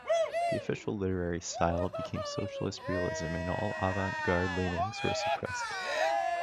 The official literary style became socialist realism and all avantgarde leanings were suppressed.